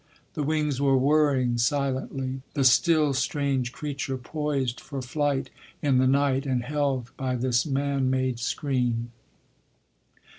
The wings were whirring silently—the still strange creature poised for flight in the night, and held by this man made screen.